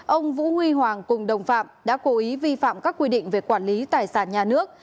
ông vũ huy hoàng cùng đồng phạm đã cố ý vi phạm các quy định về quản lý tài sản nhà nước